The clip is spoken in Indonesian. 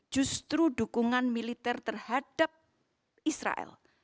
justru dukungan militer terhadap israel